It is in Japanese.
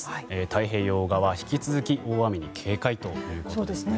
太平洋側、引き続き大雨に警戒ということですね。